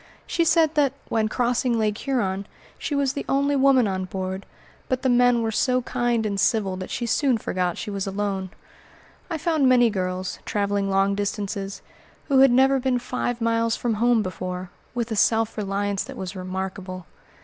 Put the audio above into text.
She said that, when crossing Lake Huron, she was the only woman on board, but the men were so kind and civil that she soon forgot she was alone. I found many girls, traveling long distances, who had never been five miles from home before, with a self reliance that was remarkable.